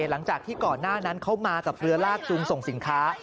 หลังจากที่ก่อนหน้านั้นเขามากับเรือลากจูงส่งสินค้า